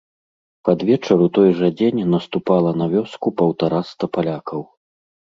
Пад вечар у той жа дзень наступала на вёску паўтараста палякаў.